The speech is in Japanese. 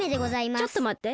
ちょっとまって。